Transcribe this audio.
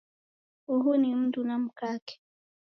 Uhu ni mundu na mkake